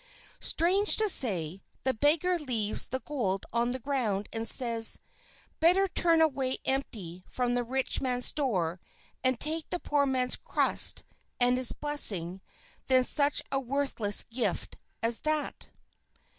Strange to say, the beggar leaves the gold on the ground and says, "Better turn away empty from the rich man's door, and take the poor man's crust and his blessing, than such a worthless gift as that."